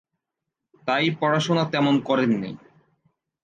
তাই পড়াশোনা তেমন করেন নি।